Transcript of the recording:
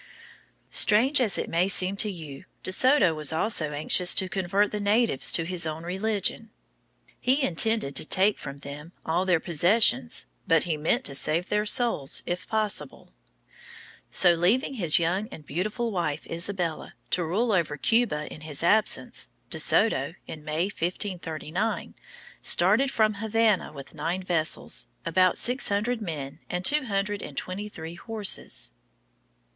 Strange as it may seem to you, De Soto was also anxious to convert the natives to his own religion. He intended to take from them all their possessions, but he meant to save their souls, if possible. So, leaving his young and beautiful wife Isabella to rule over Cuba in his absence, De Soto, in May, 1539, started from Havana with nine vessels, about six hundred men, and two hundred and twenty three horses.